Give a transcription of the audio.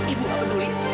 ibu gak peduli